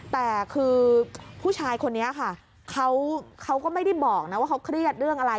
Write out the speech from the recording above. แต่คือผู้ชายคนนี้ค่ะเขาก็ไม่ได้บอกนะว่าเขาเครียดเรื่องอะไร